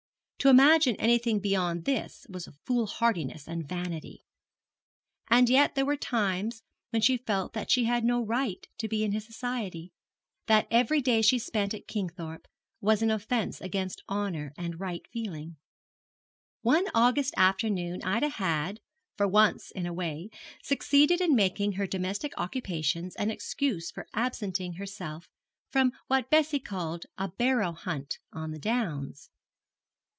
To imagine anything beyond this was foolhardiness and vanity. And yet there were times when she felt she had no right to be in his society that every day she spent at Kingthorpe was an offence against honour and right feeling. One August afternoon Ida had, for once in a way, succeeded in making her domestic occupations an excuse for absenting herself from what Bessie called a 'barrow hunt' on the downs.